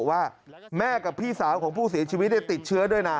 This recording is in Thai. ว่าแม่กับพี่สาวของผู้เสียชีวิตติดเชื้อด้วยนะ